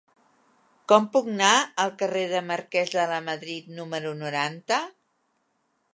Com puc anar al carrer del Marquès de Lamadrid número noranta?